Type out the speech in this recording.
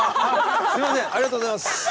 すみませんありがとうございます。